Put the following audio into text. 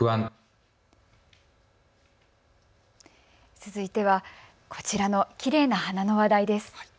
続いてはこちらのきれいな花の話題です。